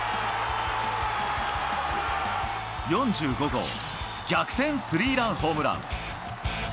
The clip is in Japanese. ４５号逆転スリーランホームラン。